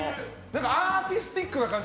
アーティスティックな感じ